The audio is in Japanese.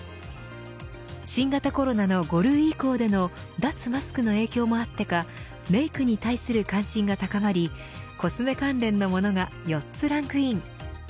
新型コロナの５類移行での脱マスクの影響もあってかメークに対する関心が高まりコスメ関連のモノが４つランクイン。